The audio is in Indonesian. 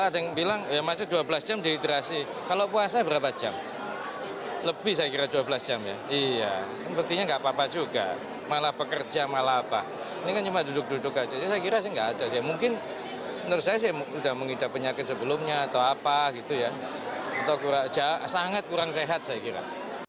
tapi saya kira dua belas jam ya iya berarti gak apa apa juga malah pekerja malah apa ini kan cuma duduk duduk aja saya kira sih gak ada sih mungkin menurut saya sih udah mengidap penyakit sebelumnya atau apa gitu ya sangat kurang sehat saya kira